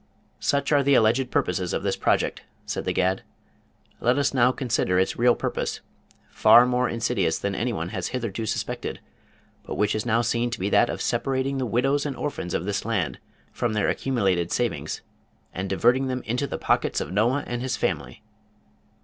"Such are the alleged purposes of this project," said The Gad. "Let us now consider its real purpose, far more insidious than any one has hitherto suspected, but which is now seen to be that of separating the widows and orphans of this land from their accumulated savings, and diverting them into the pockets of Noah and his family!"